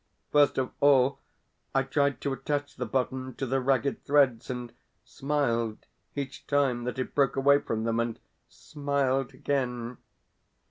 First of all I tried to attach the button to the ragged threads, and smiled each time that it broke away from them, and smiled again.